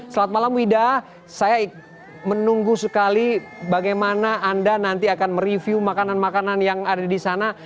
selamat malam wida saya menunggu sekali bagaimana anda nanti akan mereview makanan makanan yang ada di sana